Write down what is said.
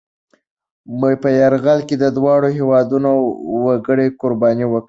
په یرغل کې دواړو هېوادنو وګړي قربانۍ ورکړې.